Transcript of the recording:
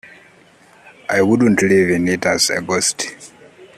I wouldn't live in it as a ghost.